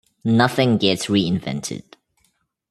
Nothing gets reinvented.